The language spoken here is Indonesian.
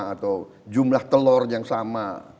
atau jumlah telur yang sama